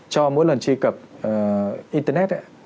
cho mỗi lần truy cập internet